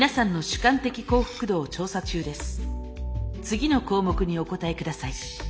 次の項目にお答えください。